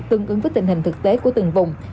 tương ứng với tình hình thực tế của từng vùng